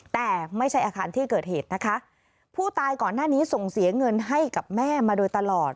แต่ไม่ใช่อาคารที่เกิดเหตุนะคะผู้ตายก่อนหน้านี้ส่งเสียเงินให้กับแม่มาโดยตลอด